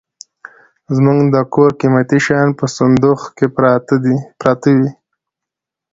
زموږ د کور قيمتي شيان په صندوخ کي پراته وي.